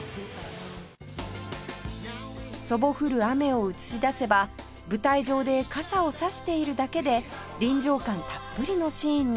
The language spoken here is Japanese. そぼ降る雨を映し出せば舞台上で傘を差しているだけで臨場感たっぷりのシーンに